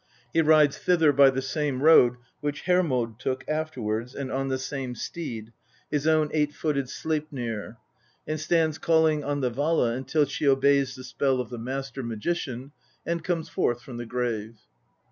He rides thither by the same road which Herrnod took afterwards and on the same steed, his own eight footed Sleipnir, and stands calling on the Vala until she obeys the spell of the Master INTRODUCTION. LXI Magician, and comes forth from the grave.